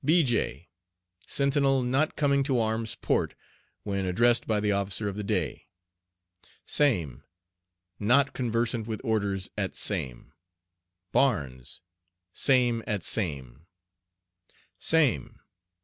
BEJAY. Sentinel not coming to "Arms, Port," when addressed by the officer of the day. SAME. Not conversant with orders at same. BARNES. Same at same.